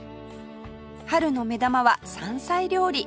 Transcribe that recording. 春の目玉は山菜料理